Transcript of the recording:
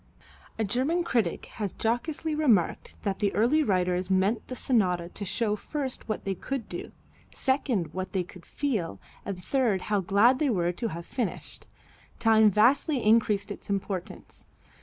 A German critic has jocosely remarked that the early writers meant the sonata to show first what they could do, second what they could feel, and third how glad they were to have finished. Time vastly increased its importance.